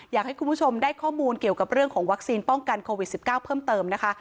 อยากให้คุณผู้ชมได้ข้อมูลเกี่ยวกับเรื่องของวัคซีนป้องกันโควิด๑๙เพิ่มเติมนะคะ